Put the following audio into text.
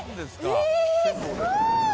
すごーい。